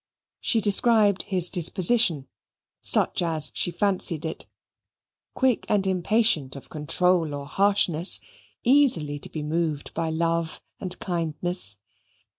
She described his disposition, such as she fancied it quick and impatient of control or harshness, easily to be moved by love and kindness.